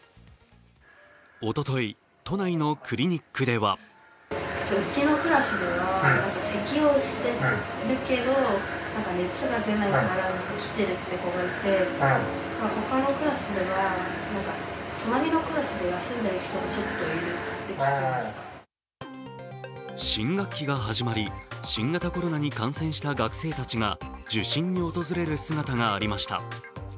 おととい、都内のクリニックでは新学期が始まり、新型コロナに感染した学生たちが受診に訪れる姿がありました。